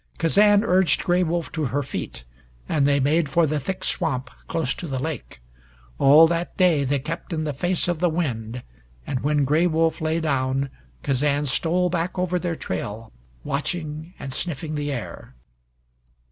Kazan urged Gray Wolf to her feet, and they made for the thick swamp close to the lake. All that day they kept in the face of the wind, and when Gray Wolf lay down Kazan stole back over their trail, watching and sniffing the air.